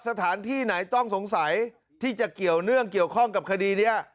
สถานที่ไหนต้องสงสัยที่จะเกี่ยวเนื่องเกี่ยวข้องกับคดีนี้